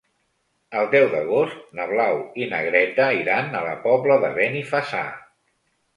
El deu d'agost na Blau i na Greta iran a la Pobla de Benifassà.